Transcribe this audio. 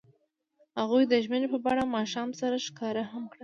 هغوی د ژمنې په بڼه ماښام سره ښکاره هم کړه.